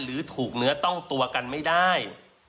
หรือถูกเนื้อต้องตัวกันไม่ได้